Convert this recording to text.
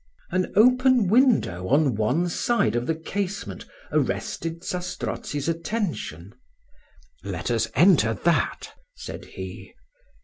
An open window on one side of the casement arrested Zastrozzi's attention. "Let us enter that," said he.